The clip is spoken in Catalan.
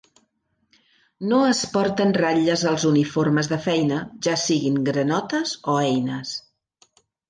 No es porten ratlles als uniformes de feina, ja siguin granotes o eines.